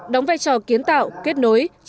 đóng vai trò kiến tạo kết nối